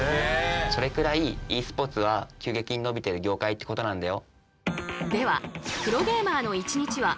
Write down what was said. それくらいｅスポーツは急激に伸びてる業界ってことなんだよ。